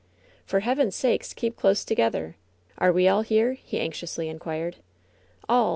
"For Heaven's sake keep close together ! Are we all here ?'' he anxiously inquired. "All